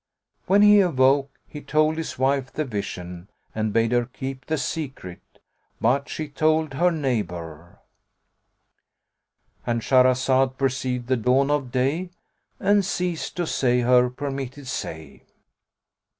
When he awoke, he told his wife the vision and bade her keep the secret; but she told her neighbour,—And Shahrazad perceived the dawn of day and ceased to say her permitted say.